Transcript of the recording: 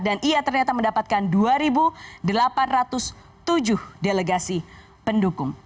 dan ia ternyata mendapatkan dua delapan ratus tujuh delegasi pendukung